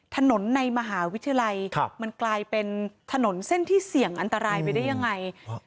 ถนนในมหาวิทยาลัยมันกลายเป็นถนนเส้นที่เสี่ยงอันตรายไปได้ยังไง